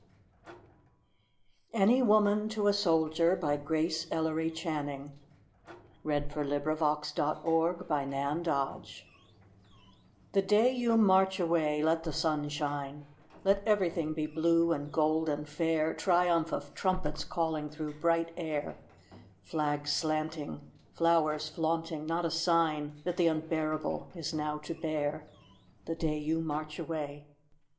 ANY WOMAN TO A SOLDIER GRACE ELLERY CHANNING [Sidenote: 1917, 1918] The day you march away let the sun shine, Let everything be blue and gold and fair, Triumph of trumpets calling through bright air, Flags slanting, flowers flaunting not a sign That the unbearable is now to bear, The day you march away.